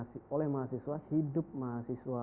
di oleh mahasiswa hidup mahasiswa